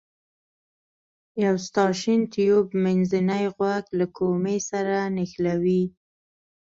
یو ستاشین تیوب منځنی غوږ له کومې سره نښلوي.